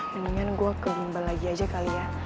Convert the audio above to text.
mendingan gua ke bimbel lagi aja kali ya